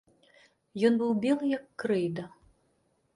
Ён быў белы як крэйда.